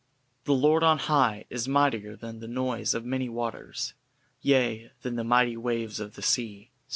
'" "The Lord on high is mightier than the noise of many waters, yea, than the mighty waves of the sea:" Psa.